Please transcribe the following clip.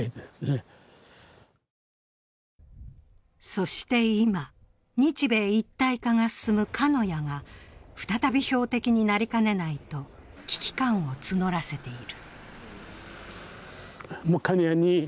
そして今、日米一体化が進む鹿屋が再び標的になりかねないと危機感を募らせている。